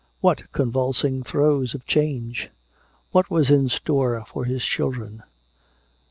What convulsing throes of change? What was in store for his children?